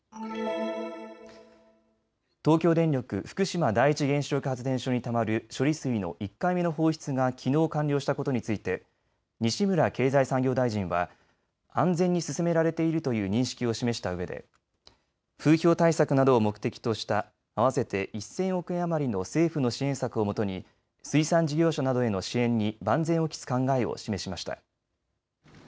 東京電力福島第一原子力発電所にたまる処理水の１回目の放出がきのう完了したことについて西村経済産業大臣は安全に進められているという認識を示したうえで風評対策などを目的とした合わせて１０００億円余りの政府の支援策をもとに水産事業者などへの支援に万全を期す考えを示しました。